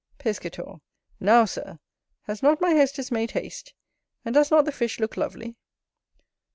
Piscator. NOW, Sir, has not my hostess made haste? and does not the fish look lovely?